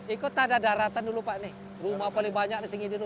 itu tadi ada daratan dulu pak rumah paling banyak di sini dulu